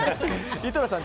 井戸田さん